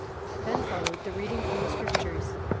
Then followed the reading from the scriptures.